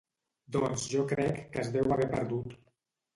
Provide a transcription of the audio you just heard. Doncs jo crec que es deu haver perdut